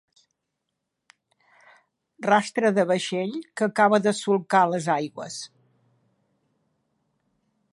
Rastre de vaixell que acaba de solcar les aigües.